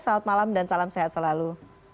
selamat malam dan salam sehat selalu